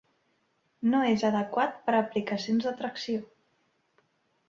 No és adequat per a aplicacions de tracció.